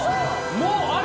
もうあれ！？